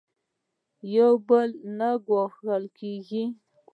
یو بل نه ګوښه کېږي.